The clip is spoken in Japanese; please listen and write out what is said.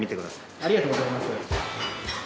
ありがとうございます。